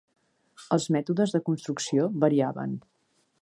Els mètodes de construcció variaven.